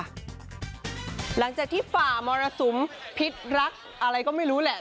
หลังจากที่ฝ่ามรสุมพิษรักอะไรก็ไม่รู้แหละ